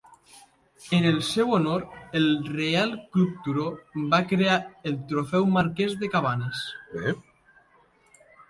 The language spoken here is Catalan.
En el seu honor el Reial Club Turó va crear el Trofeu Marquès de Cabanes.